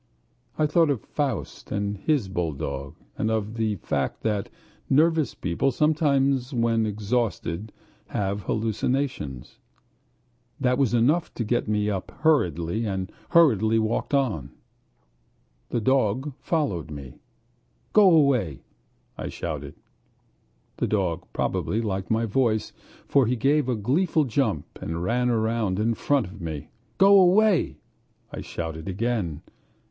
I thought of Faust and his bulldog, and of the fact that nervous people sometimes when exhausted have hallucinations. That was enough to make me get up hurriedly and hurriedly walk on. The dog followed me. "Go away!" I shouted. The dog probably liked my voice, for he gave a gleeful jump and ran about in front of me. "Go away!" I shouted again.